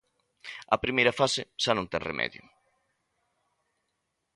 A primeira fase xa non ten remedio.